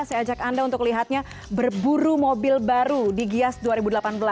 saya ajak anda untuk lihatnya berburu mobil baru di gias dua ribu delapan belas